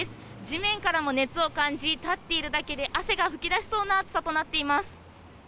地面からも熱を感じ、立っているだけで汗が噴き出しそうな暑さとなっています。